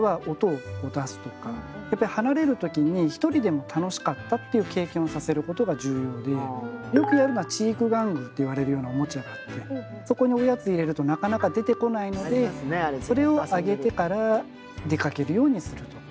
やっぱり離れる時に一人でも楽しかったっていう経験をさせることが重要でよくやるのは知育玩具といわれるようなおもちゃがあってそこにおやつを入れるとなかなか出てこないのでそれをあげてから出かけるようにするとか。